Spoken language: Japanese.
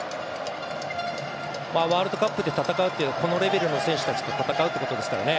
ワールドカップで戦うってこのレベルの選手たちと戦うってことですからね。